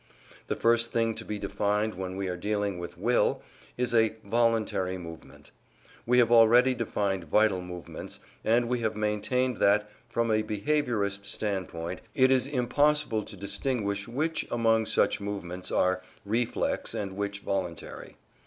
The first thing to be defined when we are dealing with Will is a VOLUNTARY MOVEMENT. We have already defined vital movements, and we have maintained that, from a behaviourist standpoint, it is impossible to distinguish which among such movements are reflex and which voluntary.